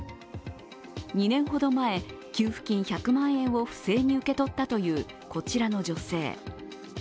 ２年ほど前、給付金１００万円を不正に受け取ったというこちらの女性。